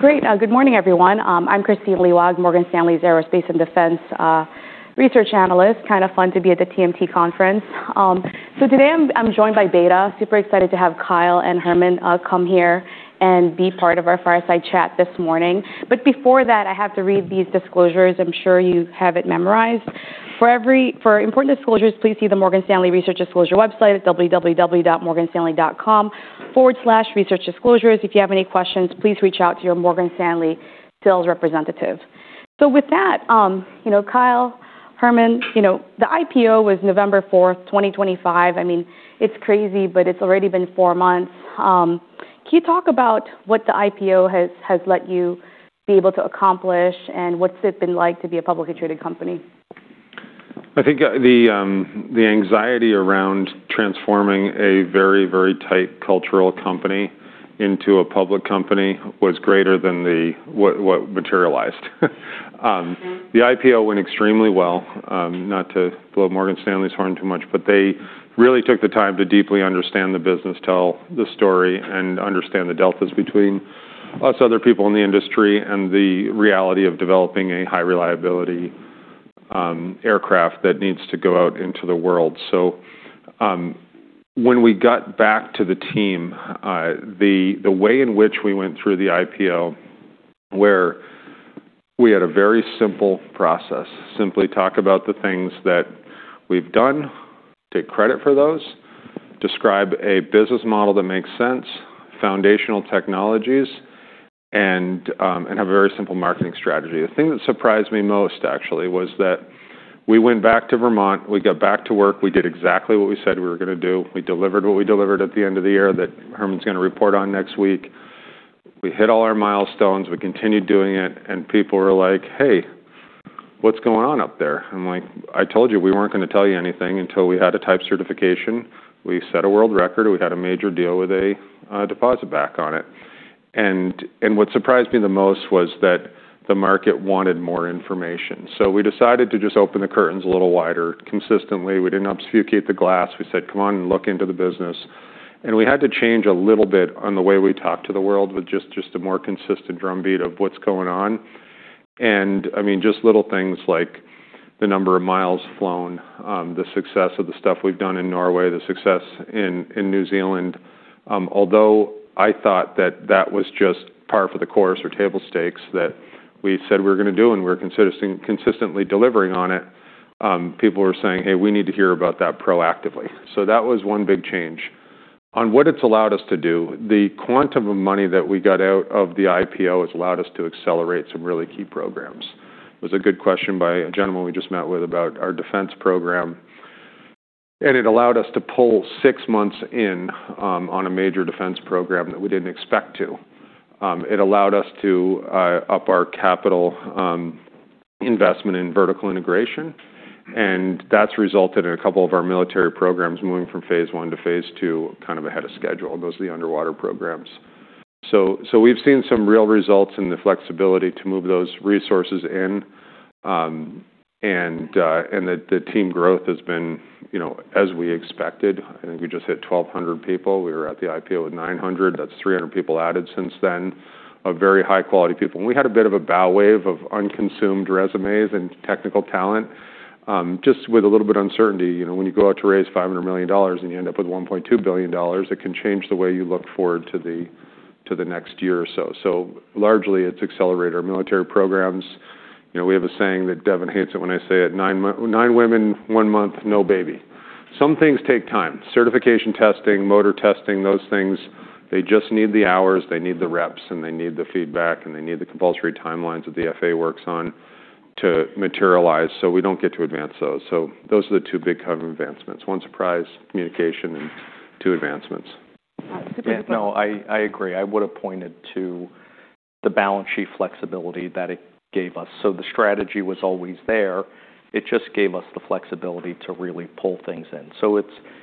Great. Good morning, everyone. I'm Kristine Liwag, Morgan Stanley's Aerospace and Defense Research Analyst. Kinda fun to be at the TMT conference. Today I'm joined by BETA. Super excited to have Kyle and Herman come here and be part of our fireside chat this morning. Before that, I have to read these disclosures. I'm sure you have it memorized. For important disclosures, please see the Morgan Stanley Research Disclosure website at www.morganstanley.com/researchdisclosures. If you have any questions, please reach out to your Morgan Stanley sales representative. With that, you know, Kyle, Herman, you know, the IPO was November 4, 2025. I mean, it's crazy, it's already been four months. Can you talk about what the IPO has let you be able to accomplish and what's it been like to be a publicly traded company? I think, the anxiety around transforming a very, very tight cultural company into a public company was greater than what materialized. Mm-hmm. The IPO went extremely well. Not to blow Morgan Stanley's horn too much, but they really took the time to deeply understand the business, tell the story, and understand the deltas between us, other people in the industry, and the reality of developing a high-reliability aircraft that needs to go out into the world. When we got back to the team, the way in which we went through the IPO, where we had a very simple process, simply talk about the things that we've done, take credit for those, describe a business model that makes sense, foundational technologies, and have a very simple marketing strategy. The thing that surprised me most, actually, was that we went back to Vermont, we got back to work, we did exactly what we said we were gonna do. We delivered what we delivered at the end of the year that Herman's going to report on next week. We hit all our milestones, we continued doing it, and people were like, "Hey, what's going on up there?" I'm like, "I told you we weren't going to tell you anything until we had a type certification. We set a world record. We got a major deal with a deposit back on it." What surprised me the most was that the market wanted more information, so we decided to just open the curtains a little wider consistently. We didn't obfuscate the glass. We said, "Come on and look into the business." We had to change a little bit on the way we talked to the world with just a more consistent drumbeat of what's going on. I mean, just little things like the number of miles flown, the success of the stuff we've done in Norway, the success in New Zealand. Although I thought that that was just par for the course or table stakes that we said we were gonna do and we were consistently delivering on it, people were saying, "Hey, we need to hear about that proactively." That was one big change. On what it's allowed us to do, the quantum of money that we got out of the IPO has allowed us to accelerate some really key programs. It was a good question by a gentleman we just met with about our defense program. It allowed us to pull six months in on a major defense program that we didn't expect to. It allowed us to up our capital investment in vertical integration. That's resulted in a couple of our military programs moving from phase I to phase II kind of ahead of schedule. Those are the underwater programs. We've seen some real results in the flexibility to move those resources in, and the team growth has been, you know, as we expected. I think we just hit 1,200 people. We were at the IPO at 900. That's 300 people added since then of very high-quality people. We had a bit of a bow wave of unconsumed resumes and technical talent just with a little bit of uncertainty. You know, when you go out to raise $500 million and you end up with $1.2 billion, it can change the way you look forward to the, to the next year or so. Largely, it's accelerated our military programs. You know, we have a saying that Devin hates it when I say it, "Nine women, one month, no baby." Some things take time. Certification testing, motor testing, those things, they just need the hours, they need the reps, and they need the feedback, and they need the compulsory timelines that the FAA works on to materialize, so we don't get to advance those. Those are the two big kind of advancements. One, surprise, communication, and two, advancements. That's a great point. Yeah, no, I agree. I would've pointed to the balance sheet flexibility that it gave us. The strategy was always there. It just gave us the flexibility to really pull things in.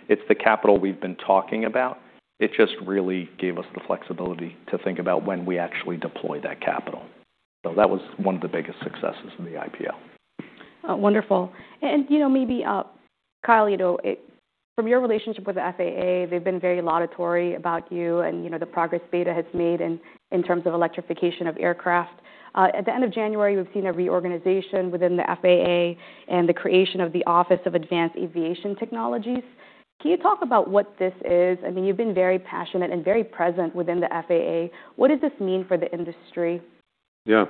It's the capital we've been talking about. It just really gave us the flexibility to think about when we actually deploy that capital. That was one of the biggest successes in the IPO. Wonderful. You know, maybe, Kyle, you know, from your relationship with the FAA, they've been very laudatory about you and, you know, the progress Beta has made in terms of electrification of aircraft. At the end of January, we've seen a reorganization within the FAA and the creation of the Office of Advanced Aviation Technologies. Can you talk about what this is? I mean, you've been very passionate and very present within the FAA. What does this mean for the industry? Yeah.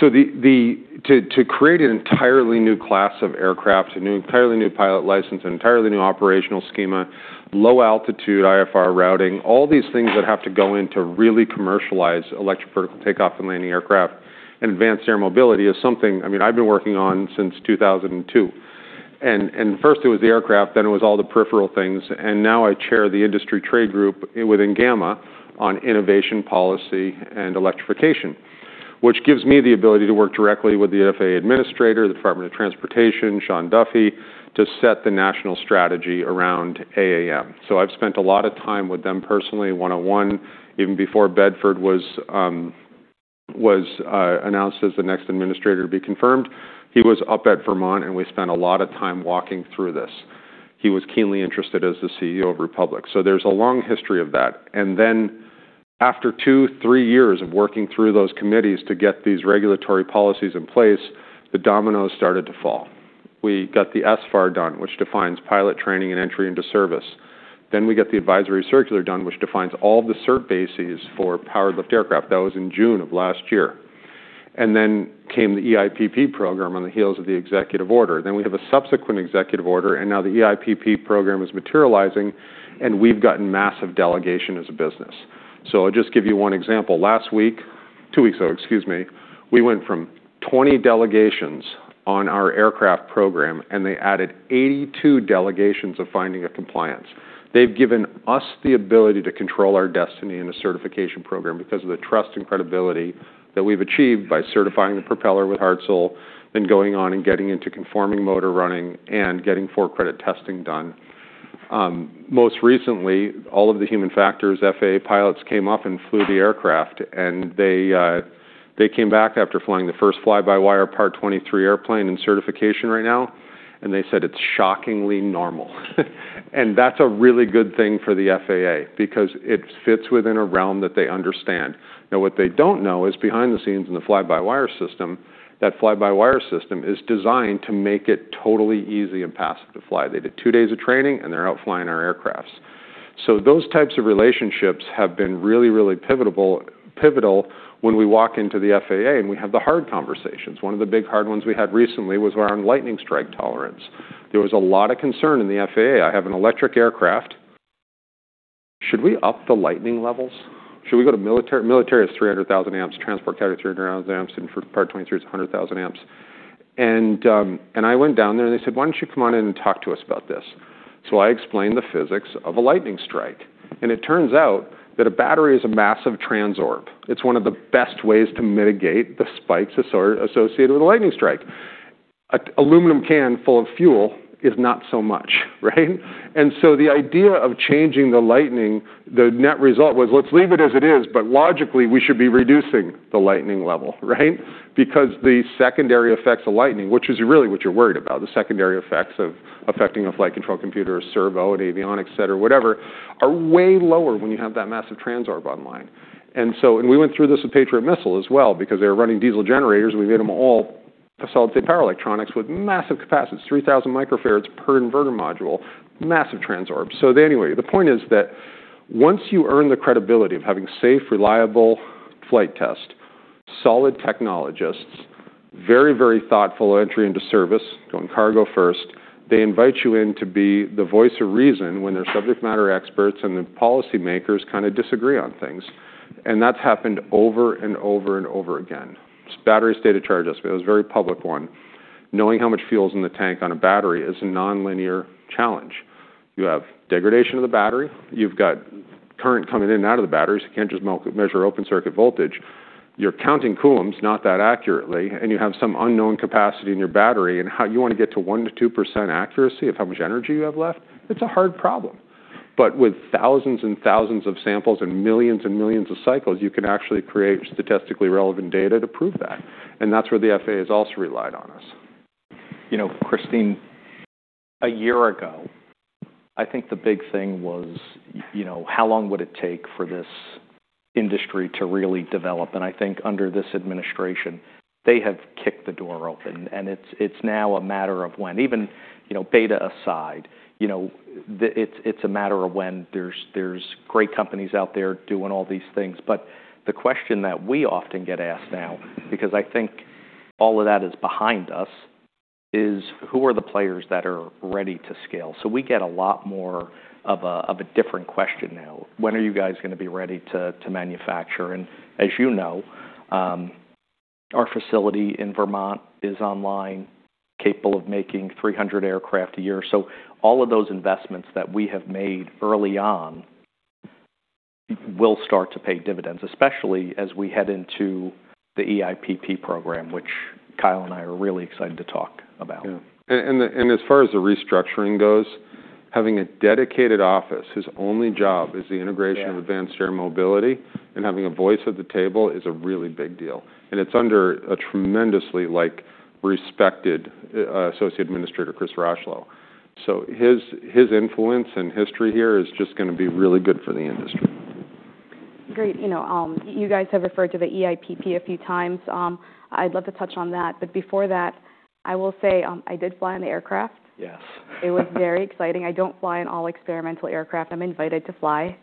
To create an entirely new class of aircraft, entirely new pilot license, an entirely new operational schema, low altitude IFR routing, all these things that have to go in to really commercialize electric vertical takeoff and landing aircraft and Advanced Air Mobility is something, I mean, I've been working on since 2002. First it was the aircraft, then it was all the peripheral things, and now I chair the industry trade group within GAMA on innovation policy and electrification, which gives me the ability to work directly with the FAA Administrator, the Department of Transportation, Sean Duffy, to set the national strategy around AAM. I've spent a lot of time with them personally one-on-one, even before Bedford was announced as the next Administrator to be confirmed. He was up at Vermont. We spent a lot of time walking through this. He was keenly interested as the CEO of Republic Airways. There's a long history of that. After two, three years of working through those committees to get these regulatory policies in place, the dominoes started to fall. We got the SFAR done, which defines pilot training and entry into service. We get the Advisory Circular done, which defines all the cert bases for powered-lift aircraft. That was in June of last year. Came the EIPP program on the heels of the Executive Order. We have a subsequent Executive Order, and now the EIPP program is materializing, and we've gotten massive delegation as a business. I'll just give you one example. Two weeks ago, excuse me, we went from 20 delegations on our aircraft program, and they added 82 delegations of finding a compliance. They've given us the ability to control our destiny in a certification program because of the trust and credibility that we've achieved by certifying the propeller with Hartzell and going on and getting into conforming motor running and getting four credit testing done. Most recently, all of the human factors FAA pilots came up and flew the aircraft, and they came back after flying the first fly-by-wire Part 23 airplane in certification right now, and they said it's shockingly normal. That's a really good thing for the FAA because it fits within a realm that they understand. What they don't know is behind the scenes in the fly-by-wire system, that fly-by-wire system is designed to make it totally easy and passive to fly. They did two days of training, and they're out flying our aircraft. Those types of relationships have been really pivotal when we walk into the FAA and we have the hard conversations. One of the big hard ones we had recently was around lightning strike tolerance. There was a lot of concern in the FAA. I have an electric aircraft. Should we up the lightning levels? Should we go to military? Military is 300,000 amps, transport category 300,000 amps, and for Part 23, it's 100,000 amps. I went down there, and they said, "Why don't you come on in and talk to us about this?" I explained the physics of a lightning strike, and it turns out that a battery is a massive Transorb. It's one of the best ways to mitigate the spikes associated with a lightning strike. A aluminum can full of fuel is not so much, right? The idea of changing the lightning, the net result was, let's leave it as it is, but logically, we should be reducing the lightning level, right? Because the secondary effects of lightning, which is really what you're worried about, the secondary effects of affecting a flight control computer, a servo, an avionics set or whatever, are way lower when you have that massive Transorb online. We went through this with Patriot missile as well because they were running diesel generators, and we made them all solid state power electronics with massive capacitance, 3,000 microfarads per inverter module, massive Transorbs. Anyway, the point is that once you earn the credibility of having safe, reliable flight test, solid technologists, very, very thoughtful entry into service, going cargo first, they invite you in to be the voice of reason when their subject matter experts and the policymakers kind of disagree on things. That's happened over and over and over again. Battery state of charge estimate, it was a very public one. Knowing how much fuel's in the tank on a battery is a nonlinear challenge. You have degradation of the battery. You've got current coming in and out of the batteries. You can't just measure open circuit voltage. You're counting coulombs not that accurately, and you have some unknown capacity in your battery, and how you want to get to 1% to 2% accuracy of how much energy you have left, it's a hard problem. With thousands and thousands of samples and millions and millions of cycles, you can actually create statistically relevant data to prove that. That's where the FAA has also relied on us. You know, Kristine, a year ago, I think the big thing was, you know, how long would it take for this industry to really develop? I think under this administration, they have kicked the door open, it's now a matter of when. Even, you know, BETA aside, you know, it's a matter of when. There's great companies out there doing all these things. The question that we often get asked now, because I think all of that is behind us, is who are the players that are ready to scale? We get a lot more of a different question now. When are you guys gonna be ready to manufacture? As you know, our facility in Vermont is online, capable of making 300 aircraft a year. All of those investments that we have made early on will start to pay dividends, especially as we head into the EIPP program, which Kyle and I are really excited to talk about. Yeah. As far as the restructuring goes, having a dedicated office whose only job is the integration. Yeah of advanced air mobility and having a voice at the table is a really big deal. It's under a tremendously, like, respected Associate Administrator, Chris Rocheleau. His influence and history here is just gonna be really good for the industry. Great. You know, you guys have referred to the EIPP a few times. I'd love to touch on that. Before that, I will say, I did fly on the aircraft. Yes. It was very exciting. I don't fly on all experimental aircraft I'm invited to fly.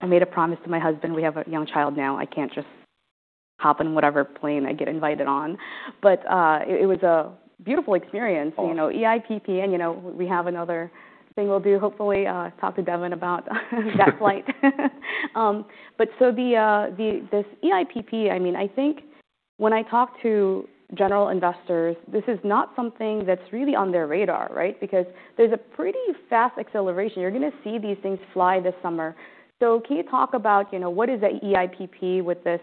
I made a promise to my husband. We have a young child now. I can't just hop in whatever plane I get invited on. It was a beautiful experience. Oh. You know, EIPP, and, you know, we have another thing we'll do, hopefully, talk to Devin about that flight. This EIPP, I mean, I think when I talk to general investors, this is not something that's really on their radar, right? There's a pretty fast acceleration. You're gonna see these things fly this summer. Can you talk about, you know, what is a EIPP with this,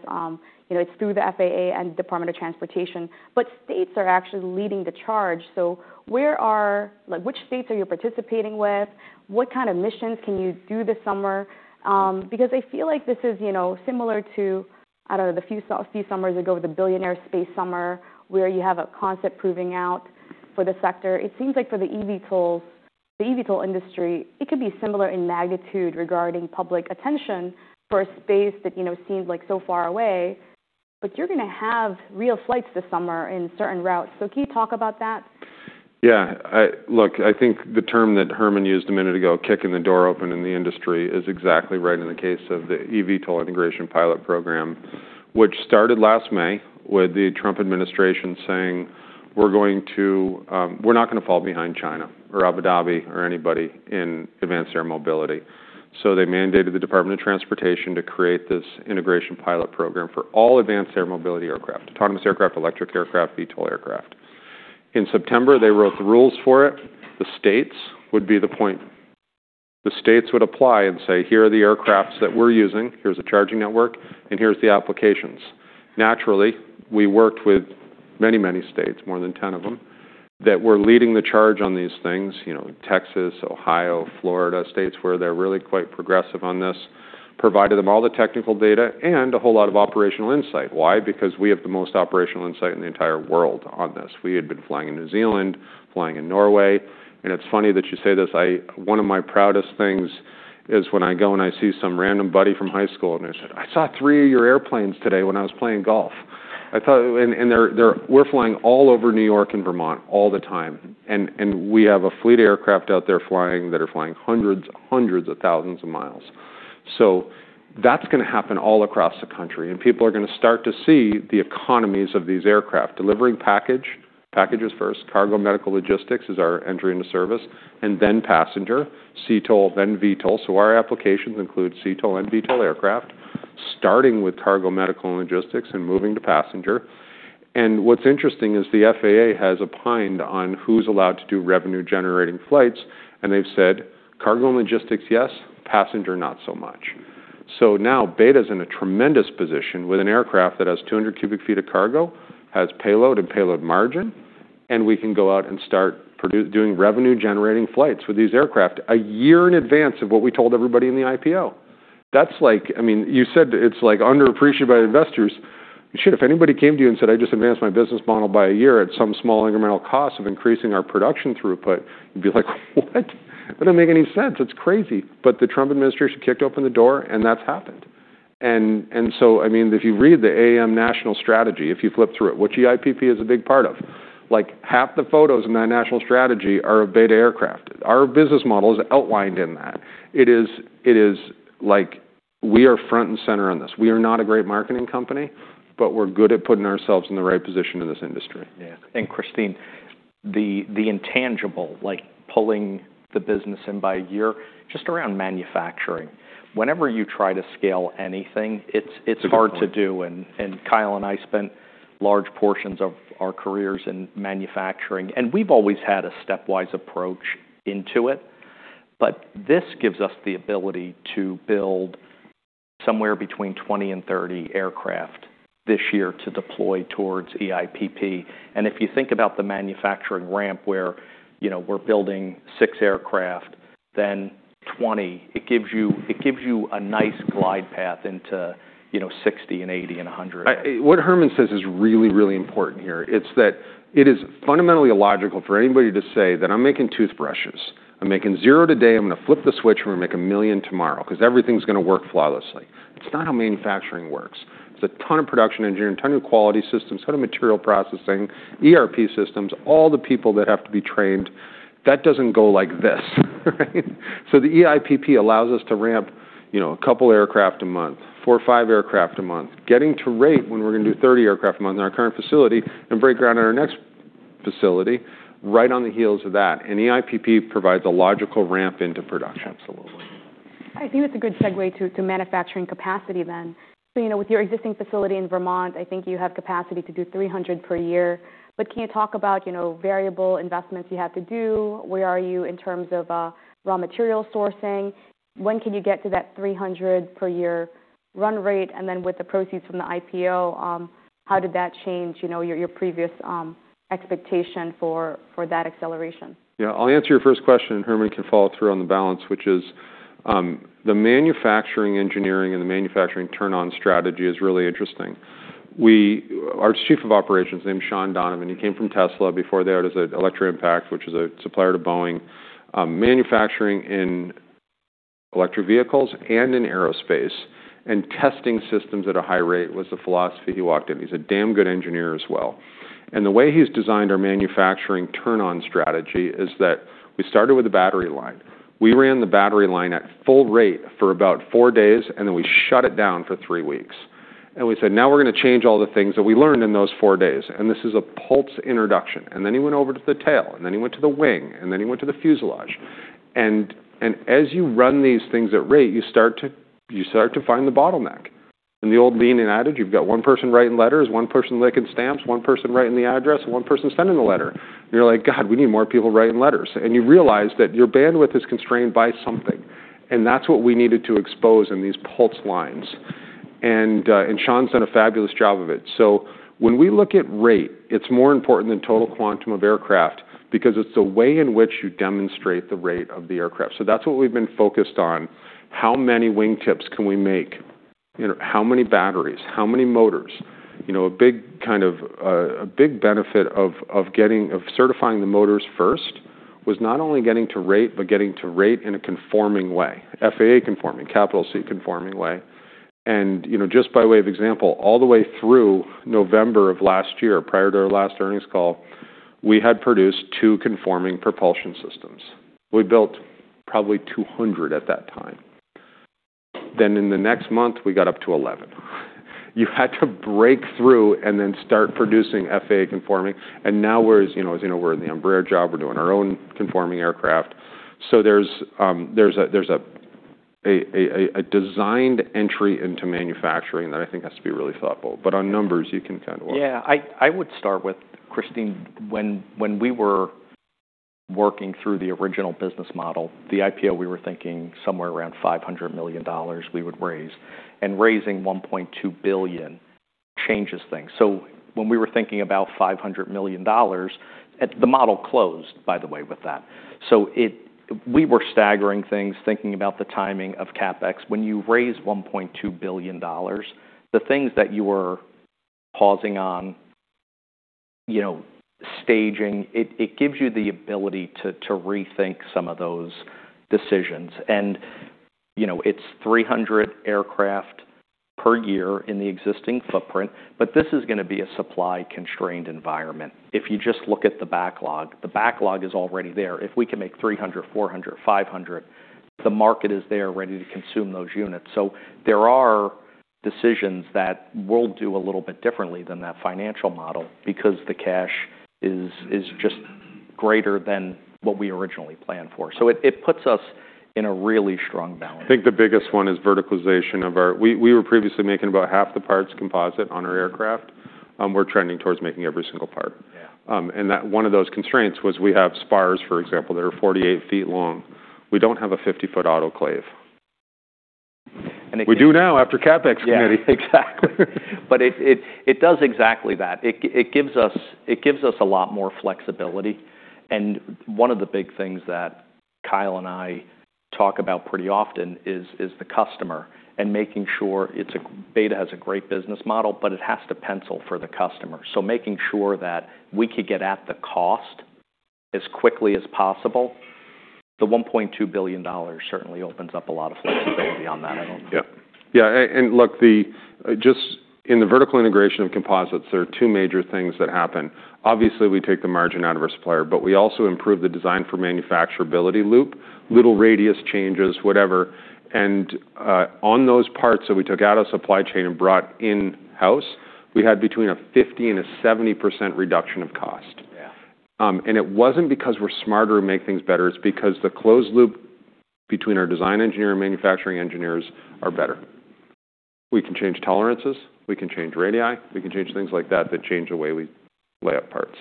you know, it's through the FAA and Department of Transportation, states are actually leading the charge. Where are like, which states are you participating with? What kind of missions can you do this summer? I feel like this is, you know, similar to I don't know, the few summers ago, the billionaire space summer, where you have a concept proving out for the sector. It seems like for the eVTOL, the eVTOL industry, it could be similar in magnitude regarding public attention for a space that, you know, seems like so far away. You're gonna have real flights this summer in certain routes. Can you talk about that? Yeah. look, I think the term that Herman used a minute ago, kicking the door open in the industry, is exactly right in the case of the eVTOL Integration Pilot Program, which started last May with the Trump administration saying, "We're going to... We're not gonna fall behind China or Abu Dhabi or anybody in advanced air mobility." they mandated the Department of Transportation to create this integration pilot program for all advanced air mobility aircraft, autonomous aircraft, electric aircraft, VTOL aircraft. In September, they wrote the rules for it. The states would be the point. The states would apply and say, "Here are the aircraft that we're using, here's the charging network, and here's the applications." Naturally, we worked with many, many states, more than 10 of them, that were leading the charge on these things, you know, Texas, Ohio, Florida, states where they're really quite progressive on this, provided them all the technical data and a whole lot of operational insight. Why? Because we have the most operational insight in the entire world on this. We had been flying in New Zealand, flying in Norway. It's funny that you say this. One of my proudest things is when I go and I see some random buddy from high school, they say, "I saw three of your airplanes today when I was playing golf." I thought... We're flying all over New York and Vermont all the time, and we have a fleet of aircraft out there flying, that are flying hundreds of thousands of miles. That's gonna happen all across the country, and people are gonna start to see the economies of these aircraft. Delivering packages first, cargo, medical, logistics is our entry into service, and then passenger, CTOL, then VTOL. Our applications include CTOL and VTOL aircraft, starting with cargo, medical, and logistics, and moving to passenger. What's interesting is the FAA has opined on who's allowed to do revenue-generating flights, and they've said, "Cargo and logistics, yes. Passenger, not so much." Now BETA's in a tremendous position with an aircraft that has 200 cu ft of cargo, has payload and payload margin, and we can go out and start doing revenue-generating flights with these aircraft a year in advance of what we told everybody in the IPO. That's like, I mean, you said it's like underappreciated by investors. Shit, if anybody came to you and said, "I just advanced my business model by a year at some small incremental cost of increasing our production throughput," you'd be like, "What? That doesn't make any sense. It's crazy." The Trump administration kicked open the door, and that's happened. So I mean, if you read the AAM National Strategy, if you flip through it, which EIPP is a big part of, like, half the photos in that National Strategy are of BETA aircraft. Our business model is outlined in that. It is like we are front and center on this. We are not a great marketing company, but we're good at putting ourselves in the right position in this industry. Yeah. Kristine, the intangible, like pulling the business in by a year, just around manufacturing, whenever you try to scale anything, it's hard to do. Kyle and I spent large portions of our careers in manufacturing, and we've always had a stepwise approach into it. This gives us the ability to build somewhere between 20 and 30 aircraft this year to deploy towards EIPP. If you think about the manufacturing ramp where, you know, we're building six aircraft, then 20, it gives you a nice glide path into, you know, 60 and 80 and 100. What Herman says is really, really important here, it's that it is fundamentally illogical for anybody to say that, "I'm making toothbrushes. I'm making zero today. I'm going to flip the switch, and we're going to make a million tomorrow, 'cause everything's going to work flawlessly." It's not how manufacturing works. There's a ton of production engineering, a ton of quality systems, ton of material processing, ERP systems, all the people that have to be trained. That doesn't go like this, right? So the EIPP allows us to ramp, you know, a couple aircraft a month, four or five aircraft a month, getting to rate when we're going to do 30 aircraft a month in our current facility and break ground on our next facility right on the heels of that. EIPP provides a logical ramp into production. Absolutely. I think that's a good segue to manufacturing capacity then. You know, with your existing facility in Vermont, I think you have capacity to do 300 per year. Can you talk about, you know, variable investments you have to do? Where are you in terms of raw material sourcing? When can you get to that 300 per year run-rate? Then with the proceeds from the IPO, how did that change, you know, your previous expectation for that acceleration? Yeah. I'll answer your first question, and Herman can follow through on the balance, which is, the manufacturing engineering and the manufacturing turn-on strategy is really interesting. Our Chief of Operations, named Sean Donovan, he came from Tesla. Before there, it was at Electroimpact, which is a supplier to Boeing. Manufacturing in electric vehicles and in aerospace and testing systems at a high rate was the philosophy he walked in. He's a damn good engineer as well. The way he's designed our manufacturing turn-on strategy is that we started with the battery line. We ran the battery line at full rate for about four days, and then we shut it down for three weeks. We said, "Now we're gonna change all the things that we learned in those four days." This is a pulse introduction. Then he went over to the tail, then he went to the wing, then he went to the fuselage. As you run these things at rate, you start to find the bottleneck. In the old leaning adage, you've got one person writing letters, one person licking stamps, one person writing the address, and one person sending the letter. You're like, "God, we need more people writing letters." You realize that your bandwidth is constrained by something, and that's what we needed to expose in these pulse lines. Sean's done a fabulous job of it. When we look at rate, it's more important than total quantum of aircraft because it's the way in which you demonstrate the rate of the aircraft. That's what we've been focused on. How many wing tips can we make? You know, how many batteries, how many motors? You know, a big kind of, a big benefit of getting, of certifying the motors first was not only getting to rate, but getting to rate in a conforming way, FAA conforming, capital C conforming way. You know, just by way of example, all the way through November of last year, prior to our last earnings call, we had produced two conforming propulsion systems. We built probably 200 at that time. In the next month, we got up to 11. You had to break through and then start producing FAA conforming. Now we're, you know, as you know, we're in the Embraer job, we're doing our own conforming aircraft. There's a designed entry into manufacturing that I think has to be really thoughtful. On numbers, you can kind of walk through. I would start with Kristine, when we were working through the original business model, the IPO, we were thinking somewhere around $500 million we would raise, raising $1.2 billion changes things. When we were thinking about $500 million, the model closed, by the way, with that. We were staggering things, thinking about the timing of CapEx. When you raise $1.2 billion, the things that you were pausing on, you know, staging, it gives you the ability to rethink some of those decisions. You know, it's 300 aircraft per year in the existing footprint, this is going to be a supply-constrained environment. You just look at the backlog, the backlog is already there. If we can make 300, 400, 500, the market is there ready to consume those units. There are decisions that we'll do a little bit differently than that financial model because the cash is just greater than what we originally planned for. It, it puts us in a really strong balance. We were previously making about half the parts composite on our aircraft, we're trending towards making every single part. Yeah. That one of those constraints was we have spars, for example, that are 48 ft long. We don't have a 50-ft autoclave. it can- We do now after CapEx committee. Yeah, exactly. It does exactly that. It gives us a lot more flexibility, one of the big things that Kyle and I talk about pretty often is the customer and making sure Beta has a great business model. It has to pencil for the customer. making sure that we could get at the cost as quickly as possible, the $1.2 billion certainly opens up a lot of flexibility on that item. Yeah. Look, the just in the vertical integration of composites, there are two major things that happen. Obviously, we take the margin out of our supplier, but we also improve the design for manufacturability loop, little radius changes, whatever, and on those parts that we took out of supply chain and brought in-house, we had between a 50% and a 70% reduction of cost. Yeah. It wasn't because we're smarter or make things better, it's because the closed loop between our design engineer and manufacturing engineers are better. We can change tolerances, we can change radii, we can change things like that change the way we lay up parts.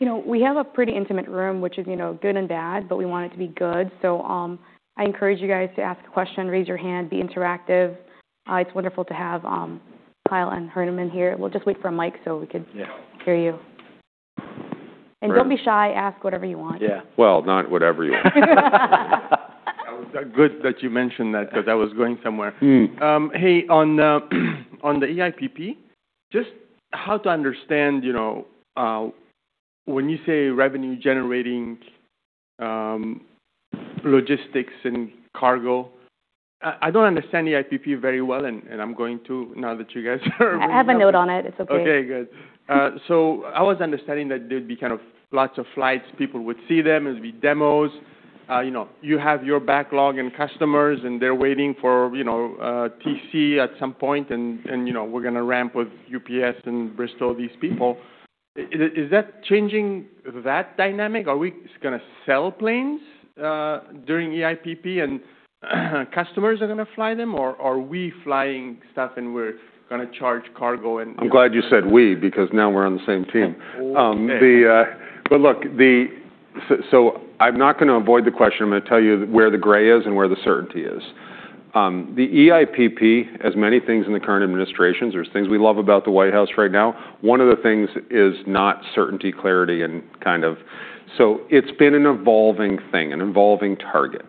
You know, we have a pretty intimate room, which is, you know, good and bad, but we want it to be good. I encourage you guys to ask a question, raise your hand, be interactive. It's wonderful to have, Kyle and Herman here. We'll just wait for a mic. Yeah hear you. Great. Don't be shy, ask whatever you want. Yeah. Well, not whatever you want. Good that you mentioned that because I was going somewhere. Mm. Hey, on the EIPP, just how to understand, you know, when you say revenue-generating, logistics and cargo, I don't understand EIPP very well and I'm going to now that you guys are bringing it up. I have a note on it. It's okay. Okay, good. I was understanding that there'd be kind of lots of flights, people would see them, there'd be demos, you know. You have your backlog and customers, and they're waiting for, you know, TC at some point, and, you know, we're going to ramp with UPS and Bristow, these people. Is that changing that dynamic? Are we just gonna sell planes during EIPP and, customers are gonna fly them? Or are we flying stuff and we're gonna charge cargo and- I'm glad you said we because now we're on the same team. Oh, yeah. Look, I'm not going to avoid the question. I'm going to tell you where the gray is and where the certainty is. The EIPP, as many things in the current administrations, there's things we love about the White House right now, one of the things is not certainty, clarity, and kind of. It's been an evolving thing, an evolving target.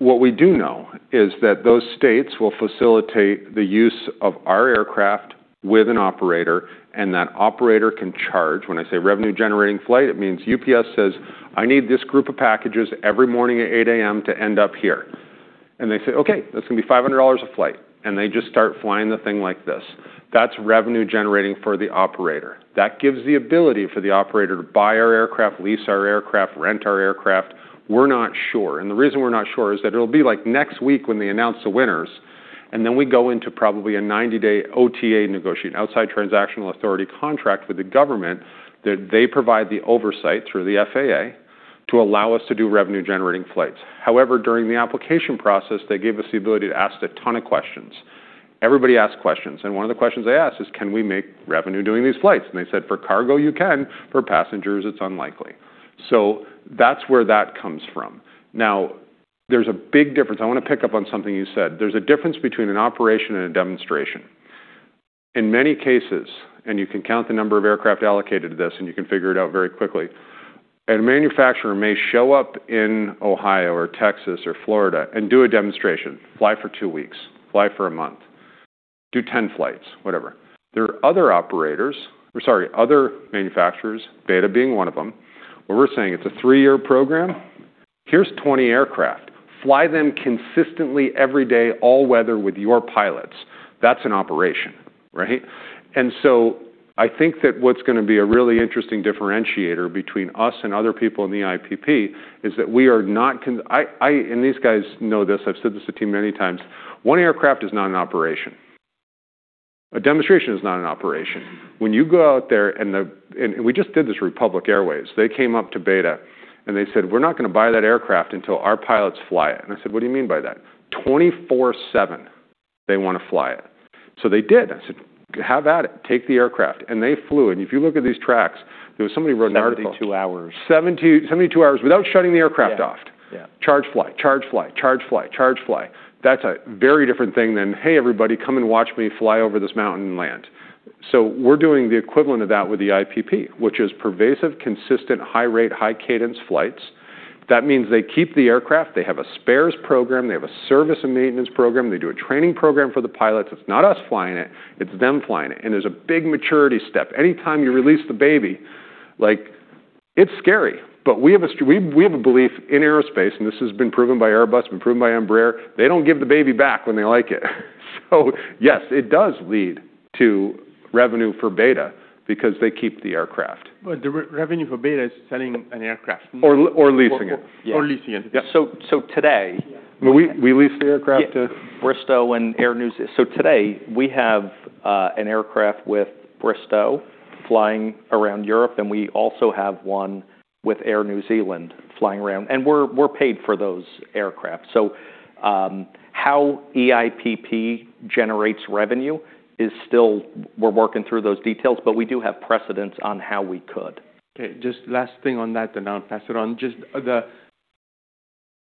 What we do know is that those states will facilitate the use of our aircraft with an operator, and that operator can charge. When I say revenue-generating flight, it means UPS says, "I need this group of packages every morning at 8:00 A.M. to end up here." They say, "Okay, that's going to be $500 a flight." They just start flying the thing like this. That's revenue-generating for the operator. That gives the ability for the operator to buy our aircraft, lease our aircraft, rent our aircraft. We're not sure. The reason we're not sure is that it'll be like next week when they announce the winners. We go into probably a 90-day OTA negotiation, Outside Transaction Authority contract with the government, that they provide the oversight through the FAA to allow us to do revenue-generating flights. However, during the application process, they gave us the ability to ask a ton of questions. Everybody asked questions. One of the questions they asked is, "Can we make revenue doing these flights?" They said, "For cargo, you can. For passengers, it's unlikely." That's where that comes from. Now, there's a big difference. I want to pick up on something you said. There's a difference between an operation and a demonstration. In many cases, and you can count the number of aircraft allocated to this, and you can figure it out very quickly, a manufacturer may show up in Ohio or Texas or Florida and do a demonstration, fly for two weeks, fly for a month, do 10 flights, whatever. There are other operators, or sorry, other manufacturers, BETA being one of them, where we're saying it's a three-year program, here's 20 aircraft, fly them consistently every day, all weather with your pilots. That's an operation, right? I think that what's going to be a really interesting differentiator between us and other people in the EIPP is that we are not, I, and these guys know this, I've said this to team many times, one aircraft is not an operation. A demonstration is not an operation. When you go out there and we just did this Republic Airways, they came up to BETA, and they said, "We're not gonna buy that aircraft until our pilots fly it." I said, "What do you mean by that?" 24/7, they want to fly it. They did. I said, "Have at it, take the aircraft." They flew, and if you look at these tracks, there was somebody who wrote an article... 72 hours. 72 hours without shutting the aircraft off. Yeah, yeah. Charge, fly, charge, fly, charge, fly, charge, fly. That's a very different thing than, "Hey, everybody, come and watch me fly over this mountain and land." We're doing the equivalent of that with the EIPP, which is pervasive, consistent, high rate, high cadence flights. That means they keep the aircraft, they have a spares program, they have a service and maintenance program, they do a training program for the pilots. It's not us flying it's them flying it, and there's a big maturity step. Anytime you release the baby, like, it's scary. But we have a belief in aerospace, and this has been proven by Airbus, been proven by Embraer, they don't give the baby back when they like it. Yes, it does lead to revenue for BETA because they keep the aircraft. The revenue for BETA is selling an aircraft. or leasing it. or leasing it. Yeah. today- We leased the aircraft. Today, we have an aircraft with Bristow flying around Europe, and we also have one with Air New Zealand flying around, and we're paid for those aircraft. How EIPP generates revenue, we're working through those details, but we do have precedence on how we could. Just last thing on that, I'll pass it on.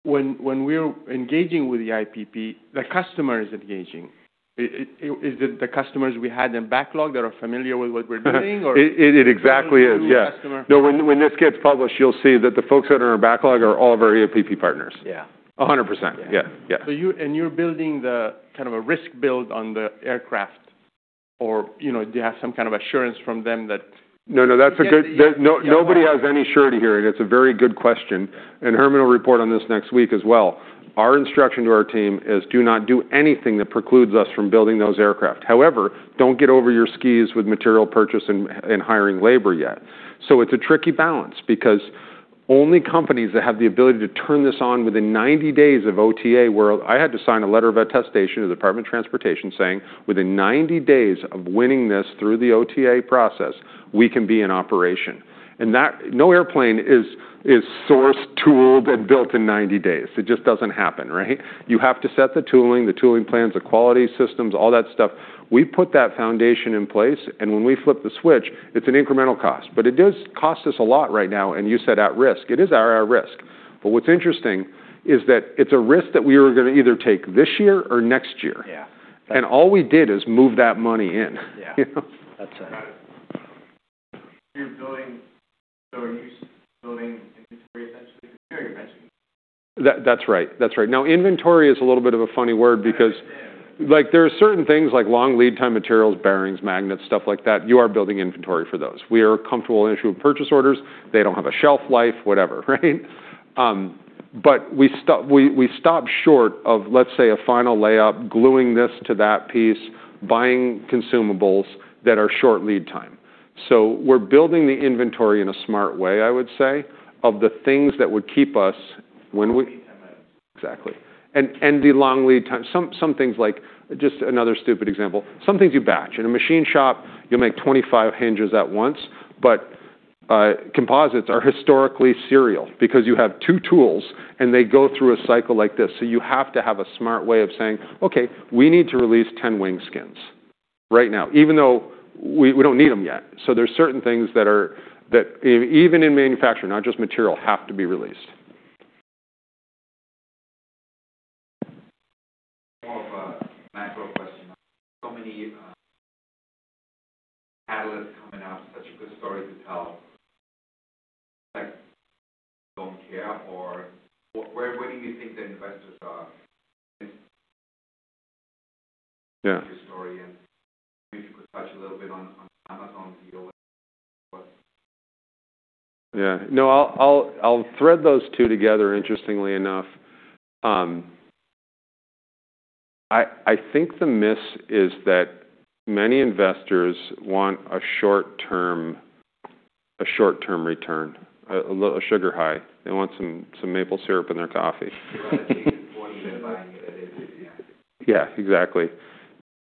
When we're engaging with the EIPP, the customer is engaging. Is it the customers we had in backlog that are familiar with what we're doing? It exactly is, yeah. New customer. No, when this gets published, you'll see that the folks that are in our backlog are all of our EIPP partners. Yeah. A 100%. Yeah. Yeah, yeah. You're building the, kind of a risk build on the aircraft or, you know, do you have some kind of assurance from them? No, no, that's a good- Yeah. There's no- Yeah. Nobody has any surety here, and it's a very good question, and Herman will report on this next week as well. Our instruction to our team is do not do anything that precludes us from building those aircraft. However, don't get over your skis with material purchase and hiring labor yet. It's a tricky balance because only companies that have the ability to turn this on within 90 days of OTA I had to sign a letter of attestation to the Department of Transportation saying, within 90 days of winning this through the OTA process, we can be in operation. No airplane is sourced, tooled, and built in 90 days. It just doesn't happen, right? You have to set the tooling, the tooling plans, the quality systems, all that stuff. We put that foundation in place. When we flip the switch, it's an incremental cost. It does cost us a lot right now, and you said at risk. It is at our risk. What's interesting is that it's a risk that we were gonna either take this year or next year. Yeah. All we did is move that money in. Yeah. That's it. That's right. That's right. Now, inventory is a little bit of a funny word because- There are certain things like long lead time materials, bearings, magnets, stuff like that, you are building inventory for those. We are comfortable in issuing purchase orders. They don't have a shelf life, whatever, right? We stop short of, let's say, a final layout, gluing this to that piece, buying consumables that are short lead time. We're building the inventory in a smart way, I would say, of the things that would keep us, when we- Exactly. The long lead time, some things like, just another stupid example, some things you batch. In a machine shop, you'll make 25 hinges at once, but composites are historically serial because you have two tools, and they go through a cycle like this. You have to have a smart way of saying, "Okay, we need to release 10 wing skins right now, even though we don't need them yet." There's certain things that are, even in manufacturing, not just material, have to be released. More of a macro question. Many catalysts coming out, such a good story to tell. Like, don't care or where do you think the investors are? Yeah. Yeah. No, I'll thread those two together, interestingly enough. I think the miss is that many investors want a short-term return, a sugar high. They want some maple syrup in their coffee. They want to see what they're buying today. Yeah. Yeah, exactly.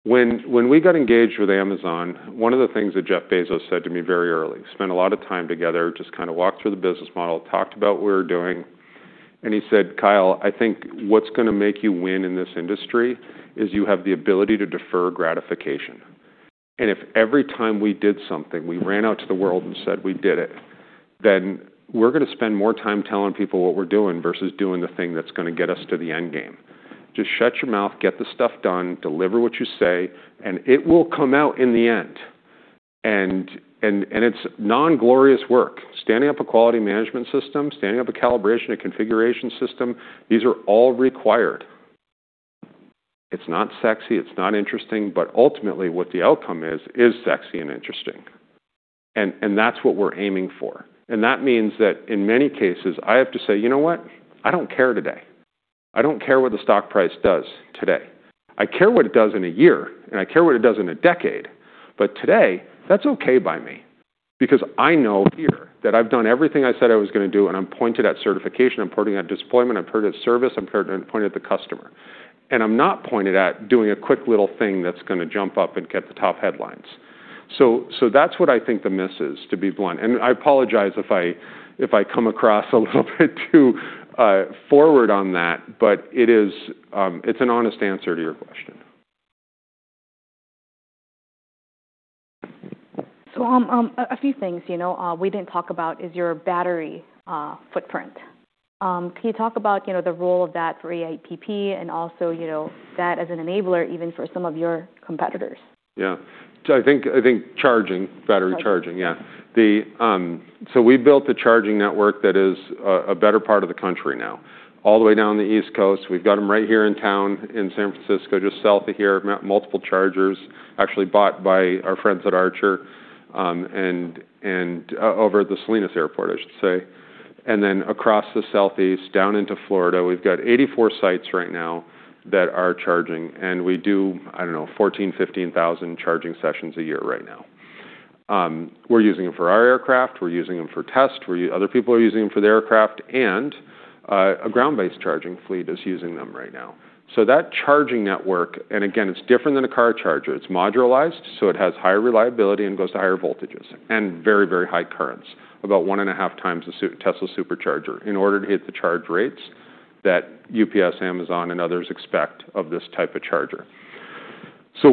When we got engaged with Amazon, one of the things that Jeff Bezos said to me very early, spent a lot of time together, just kinda walked through the business model, talked about what we were doing, and he said, "Kyle, I think what's gonna make you win in this industry is you have the ability to defer gratification." If every time we did something, we ran out to the world and said, "We did it then we're gonna spend more time telling people what we're doing versus doing the thing that's gonna get us to the end game. Just shut your mouth, get the stuff done, deliver what you say, it will come out in the end. It's non-glorious work. Standing up a quality management system, standing up a calibration, a configuration system, these are all required. It's not sexy, it's not interesting, but ultimately what the outcome is sexy and interesting. That's what we're aiming for. That means that in many cases, I have to say, "You know what? I don't care today. I don't care what the stock price does today. I care what it does in a year, and I care what it does in a decade. Today, that's okay by me because I know here that I've done everything I said I was gonna do, and I'm pointed at certification, I'm pointed at deployment, I'm pointed at service, I'm pointed at the customer. I'm not pointed at doing a quick little thing that's gonna jump up and get the top headlines." That's what I think the miss is, to be blunt. I apologize if I come across a little bit too forward on that, but it is, it's an honest answer to your question. A few things, you know, we didn't talk about is your battery footprint. Can you talk about, you know, the role of that for EIPP and also, you know, that as an enabler even for some of your competitors? Yeah. I think charging, battery charging. We built a charging network that is a better part of the country now. All the way down the East Coast. We've got them right here in town in San Francisco, just south of here. Multiple chargers actually bought by our friends at Archer, and over at the Salinas Airport, I should say. Across the Southeast down into Florida, we've got 84 sites right now that are charging. We do, I don't know, 14,000, 15,000 charging sessions a year right now. We're using them for our aircraft. We're using them for tests. Other people are using them for their aircraft, and a ground-based charging fleet is using them right now. That charging network. Again, it's different than a car charger. It's modularized, so it has higher reliability and goes to higher voltages and very, very high currents, about 1.5x a Tesla Supercharger, in order to hit the charge rates that UPS, Amazon, and others expect of this type of charger.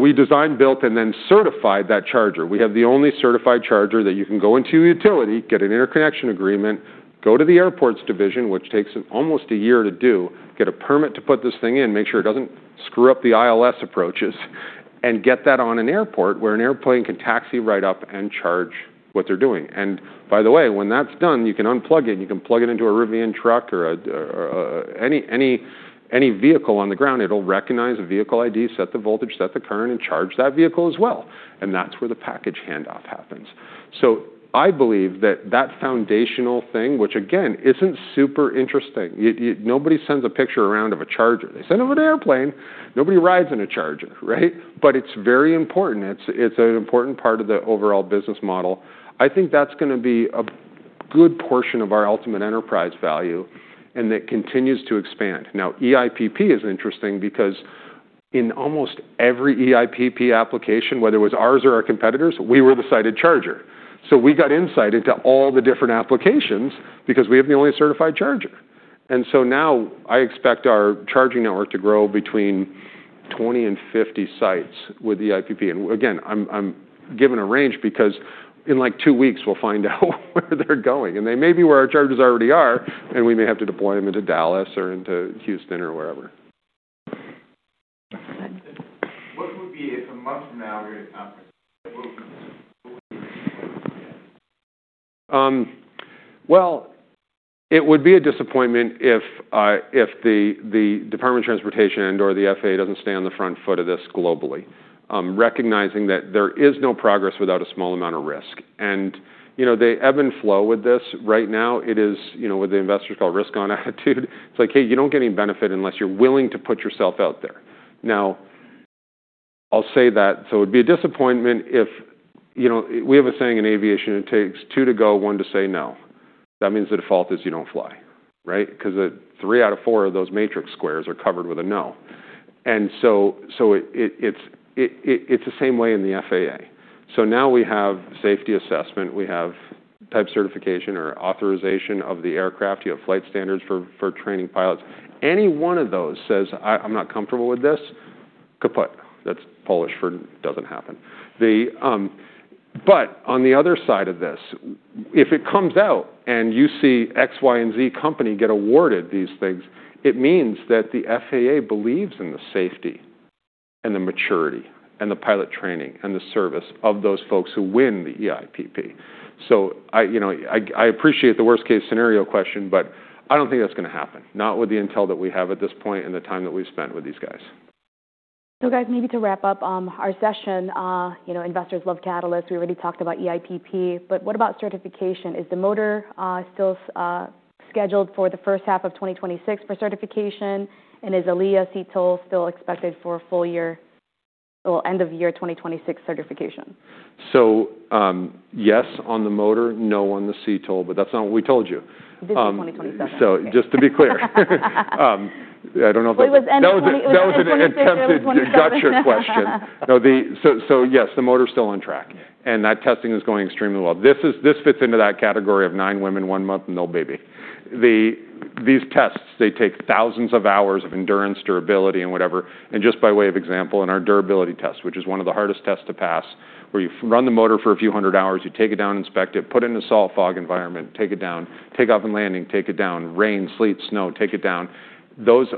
We designed, built, and then certified that charger. We have the only certified charger that you can go into the utility, get an interconnection agreement, go to the airports division, which takes almost a year to do, get a permit to put this thing in, make sure it doesn't screw up the ILS approaches, and get that on an airport where an airplane can taxi right up and charge what they're doing. By the way, when that's done, you can unplug it, and you can plug it into a Rivian truck or any vehicle on the ground. It'll recognize a vehicle ID, set the voltage, set the current, and charge that vehicle as well. That's where the package handoff happens. I believe that that foundational thing, which again isn't super interesting. Nobody sends a picture around of a charger. They send them of an airplane. Nobody rides in a charger, right? It's very important. It's an important part of the overall business model. I think that's gonna be a good portion of our ultimate enterprise value, and it continues to expand. Now, EIPP is interesting because in almost every EIPP application, whether it was ours or our competitors, we were the cited charger. We got insight into all the different applications because we have the only certified charger. Now I expect our charging network to grow between 20 and 50 sites with EIPP. Again, I'm giving a range because in, like, two weeks we'll find out where they're going. They may be where our chargers already are, and we may have to deploy them into Dallas or into Houston or wherever. What would be a must-have now here at conference? What would be? Well, it would be a disappointment if the Department of Transportation and/or the FAA doesn't stay on the front foot of this globally, recognizing that there is no progress without a small amount of risk. You know, they ebb and flow with this. Right now it is, you know, what the investors call risk on attitude. It's like, hey, you don't get any benefit unless you're willing to put yourself out there. Now, I'll say that. It'd be a disappointment if. You know, we have a saying in aviation, it takes two to go, one to say no. That means the default is you don't fly, right? Because the three out of four of those matrix squares are covered with a no. It's the same way in the FAA. Now we have safety assessment. We have type certification or authorization of the aircraft. You have flight standards for training pilots. Any one of those says, "I'm not comfortable with this," kaput. That's Polish for doesn't happen. On the other side of this, if it comes out and you see X, Y, and Z company get awarded these things, it means that the FAA believes in the safety and the maturity and the pilot training and the service of those folks who win the EIPP. I, you know, I appreciate the worst case scenario question, but I don't think that's gonna happen, not with the intel that we have at this point and the time that we've spent with these guys. Guys, maybe to wrap up, our session, you know, investors love Catalyst. We already talked about EIPP, but what about certification? Is the motor still scheduled for the first half of 2026 for certification? Is ALIA CTOL still expected for end of year 2026 certification? Yes on the motor, no on the CTOL, but that's not what we told you. This is 2027. Just to be clear. I don't know if. It was end 2026, end of 2027. That was an attempted gotcha question. No, yes, the motor's still on track, and that testing is going extremely well. This fits into that category of nine women, one month, no baby. These tests, they take thousands of hours of endurance, durability, and whatever. Just by way of example, in our durability test, which is one of the hardest tests to pass, where you run the motor for a few 100 hours, you take it down, inspect it, put it in a salt fog environment, take it down, take off and landing, take it down, rain, sleet, snow, take it down. Of those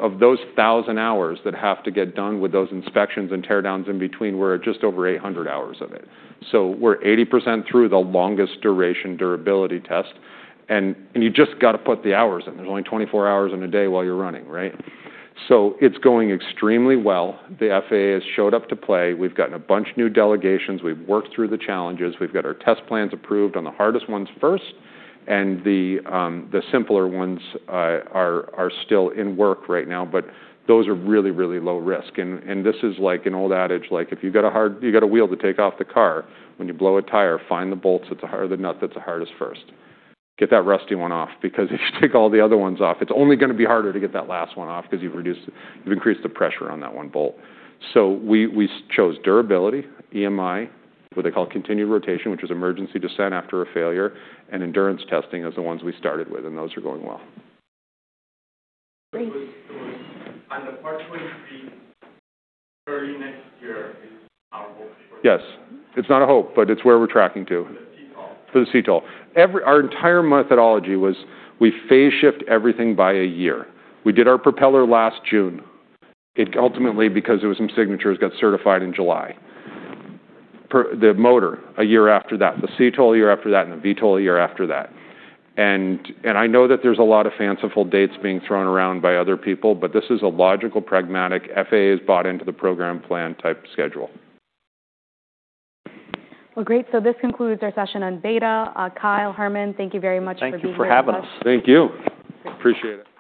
1,000 hours that have to get done with those inspections and tear downs in between, we're at just over 800 hours of it. We're 80% through the longest duration durability test. You just gotta put the hours in. There's only 24 hours in a day while you're running, right? It's going extremely well. The FAA has showed up to play. We've gotten a bunch of new delegations. We've worked through the challenges. We've got our test plans approved on the hardest ones first, and the simpler ones are still in work right now, but those are really, really low risk. This is like an old adage, like, if you got a wheel to take off the car when you blow a tire, find the bolts that's the nut that's the hardest first. Get that rusty one off, because if you take all the other ones off, it's only gonna be harder to get that last one off because you've increased the pressure on that one bolt. We chose durability, EMI, what they call continued rotation, which is emergency descent after a failure, and endurance testing as the ones we started with, and those are going well. Great. Yes. It's not a hope, but it's where we're tracking to. The CTOL. For the CTOL. Our entire methodology was we phase shift everything by a year. We did our propeller last June. It ultimately, because there were some signatures, got certified in July. The motor, a year after that. The CTOL, a year after that, and the VTOL, a year after that. I know that there's a lot of fanciful dates being thrown around by other people, but this is a logical, pragmatic, FAA's-bought-into-the-program-plan type schedule. Well, great. This concludes our session on BETA. Kyle, Herman, thank you very much for being here with us. Thank you for having us. Thank you. Appreciate it.